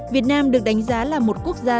việt nam được đánh giá là một quốc gia